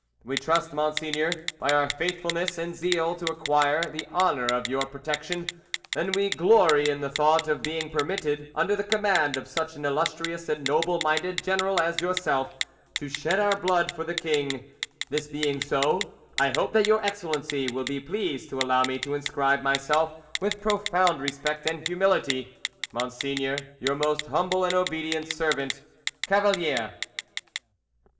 We trust, Monseigneur, by our faithfulness and zeal to acquire the honour of your protection, and we glory in the thought of being permitted, under the command of such an illustrious and noble minded general as yourself, to shed our blood for the king; this being so, I hope that your Excellency will be pleased to allow me to inscribe myself with profound respect and humility, Monseigneur, your most humble and obedient servant, "CAVALIER."